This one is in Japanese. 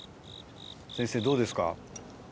先生どうですか？